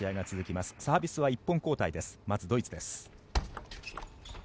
まずドイツです。